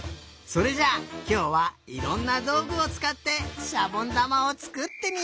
それじゃあきょうはいろんなどうぐをつかってしゃぼんだまをつくってみよう！